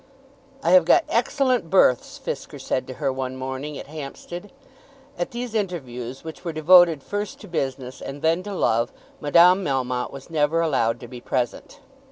"I have got excellent berths," Fisker said to her one morning at Hampstead. At these interviews, which were devoted first to business and then to love, Madame Melmotte was never allowed to be present.